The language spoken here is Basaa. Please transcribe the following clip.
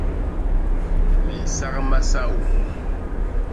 Me nsak masaô.